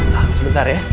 tahan sebentar ya